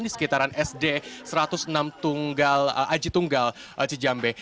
di sekitaran sd satu ratus enam aji tunggal cijambe